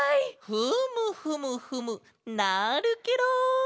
フムフムフムなるケロ！